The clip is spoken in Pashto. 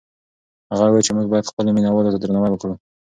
هغه وویل چې موږ باید خپلو مینه والو ته درناوی وکړو.